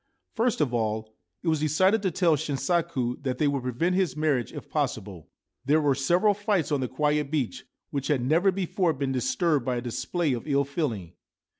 First of all, it was decided to tell Shinsaku that they would prevent his marriage if possible. There were several fights on the quiet beach, which had never before been disturbed by a display of ill feeling.